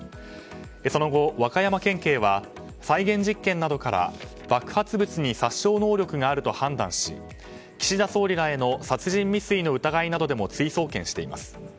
その後、和歌山県警は再現実験などから爆発物に殺傷能力があると判断し岸田総理らへの殺人未遂の疑いなどでも追送検しています。